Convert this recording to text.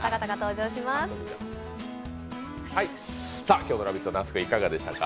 今日の「ラヴィット！」、那須君いかがでしたか。